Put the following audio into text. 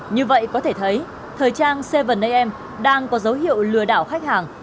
như vậy có thể thấy thời trang seven am đang có dấu hiệu lừa đảo khách hàng